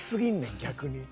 逆に。